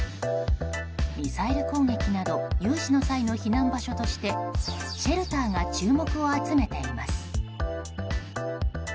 ミサイル攻撃など有事の際の避難場所としてシェルターが注目を集めています。